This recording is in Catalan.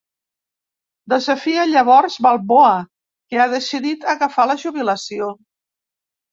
Desafia llavors Balboa que ha decidit agafar la jubilació.